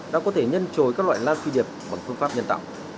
đã có thể nhân trồi các loại lan phi điệp bằng phương pháp nhân tạo